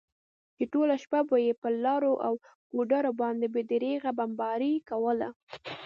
چې ټوله شپه به یې پر لارو او ګودرو باندې بې درېغه بمباري کوله.